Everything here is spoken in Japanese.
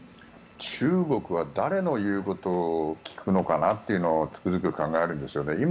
中国は誰の言うことを聞くのかなというのをつくづく考えるんですよね。